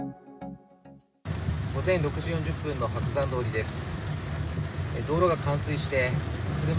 午前６時４０分の白山通りです。